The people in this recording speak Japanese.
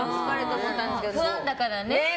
ファンだからね。